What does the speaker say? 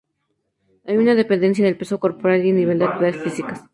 Hay una dependencia del peso corporal y el nivel de actividades físicas.